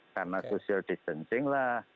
karena social distancing lah